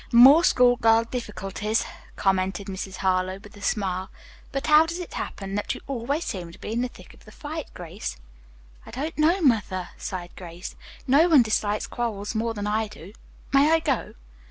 "More school girl difficulties," commented Mrs. Harlowe, with a smile. "But how does it happen that you always seem to be in the thick of the fight, Grace?" "I don't know, mother," sighed Grace. "No one dislikes quarrels more than I do. May I go?"